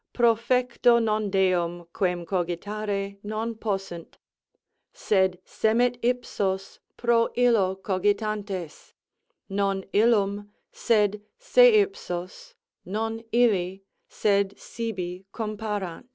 _Profecto non Deum, quern cogitare non possunt, sed semetip pro illo cogitantes, non ilium, sed seipsos, non illi, sed sibi comparant?